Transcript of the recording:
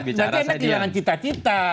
berbicara saya diam